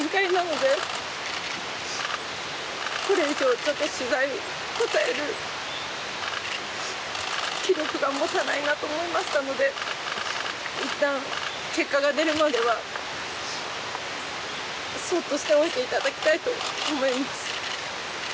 これ以上ちょっと取材に応える気力が持たないなと思いましたのでいったん結果が出るまではそっとしておいていただきたいと思います。